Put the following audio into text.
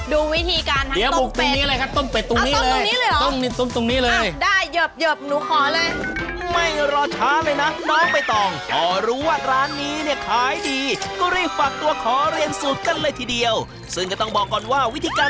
ดูวิธีการทั้งต้มเป็ดเดี๋ยวบุกตรงนี้เลยครับ